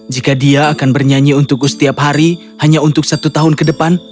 jika dia akan bernyanyi untukku setiap hari hanya untuk satu tahun ke depan